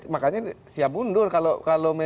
makanya siap mundur kalau